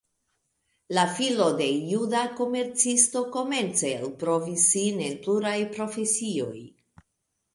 La filo de juda komercisto komence elprovis sin en pluraj profesioj.